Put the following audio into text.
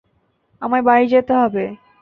আমায় বাড়ি যেতে হবে।